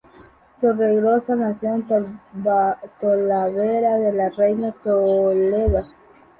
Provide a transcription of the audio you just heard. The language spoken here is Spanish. Torregrosa nació en Talavera de la Reina, Toledo.